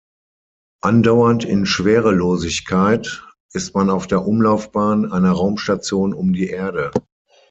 Andauernd in Schwerelosigkeit ist man auf der Umlaufbahn einer Raumstation um die Erde.